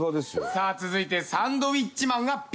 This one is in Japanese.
さあ続いてサンドウィッチマンがＢ。